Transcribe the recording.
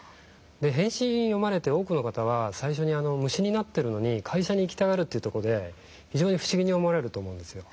「変身」を読まれて多くの方は最初に虫になってるのに会社に行きたがるというところで非常に不思議に思われると思うんですよ。